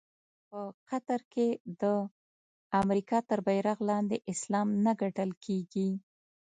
په قطر کې د امریکا تر بېرغ لاندې اسلام نه ګټل کېږي.